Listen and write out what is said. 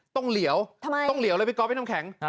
ต้องเหลียวต้องเหลียวเลยพี่ก๊อฟพี่น้ำแข็ง